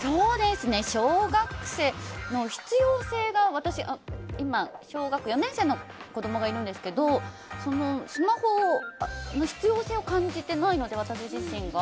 小学生の必要性が私、今、小学４年生の子供がいるんですけどスマホの必要性を感じてないので私自身が。